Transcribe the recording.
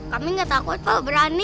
kami gak takut pak berani